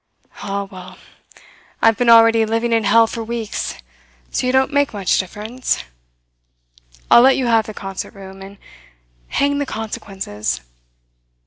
Ah, well, I've been already living in hell for weeks, so you don't make much difference. I'll let you have the concert room and hang the consequences.